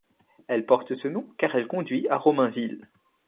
Elle porte ce nom car elle conduit à Romainville.